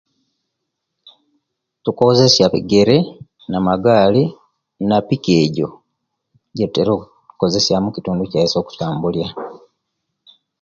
Tukozesa bigere na magaali, na pikipiki ejo ejetutira okukozesya mukitundu kyaisu okutambula.